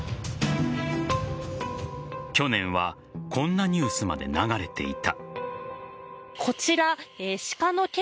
去年はこんなニュースまで流れていた。